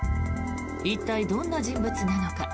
一体、どんな人物なのか。